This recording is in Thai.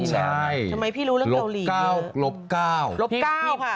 ทำไมพี่รู้เรื่องเกาหลีเหรอหลบ๙หลบ๙